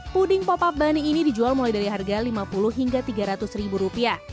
puding pop up bunny ini dijual mulai dari harga rp lima puluh hingga rp tiga ratus ribu rupiah